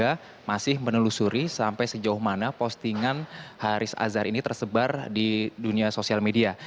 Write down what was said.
dan juga masih menelusuri sampai sejauh mana postingan haris azhar ini tersebar di dunia sosial media